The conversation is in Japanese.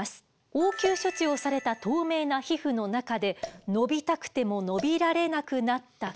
応急処置をされた透明な皮膚の中で伸びたくても伸びられなくなった毛